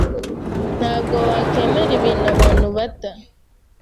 Ntabwo wakwemera ibintu abantu bata.